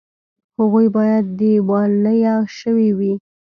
هغوی باید دیوالیه شوي وي